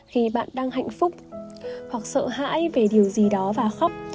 khi bạn đang hạnh phúc hoặc sợ hãi về điều gì đó và khóc